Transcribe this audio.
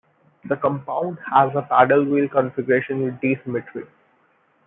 The compound has a paddlewheel configuration with D symmetry.